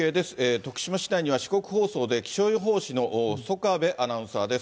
徳島市内には、四国放送で気象予報士の宗我部アナウンサーです。